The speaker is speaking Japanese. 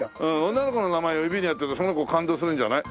女の子の名前を指にやったらその子感動するんじゃない？